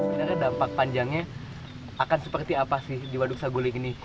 sebenarnya dampak panjangnya akan seperti apa sih di waduk saguling ini